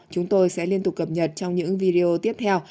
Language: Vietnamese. chúng tôi sẽ liên tục cập nhật trong những video tiếp theo